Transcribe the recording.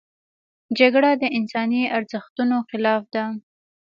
جګړه د انساني ارزښتونو خلاف ده